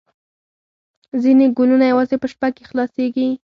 ځینې ګلونه یوازې په شپه کې خلاصیږي